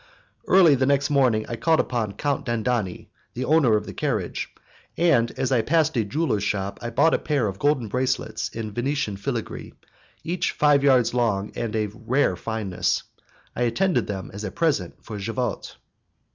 Early the next morning I called upon Count Dandini, the owner of the carriage, and as I passed a jeweller's shop I bought a pair of gold bracelets in Venetian filigree, each five yards long and of rare fineness. I intended them as a present for Javotte.